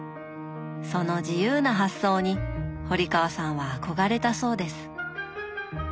その自由な発想に堀川さんは憧れたそうです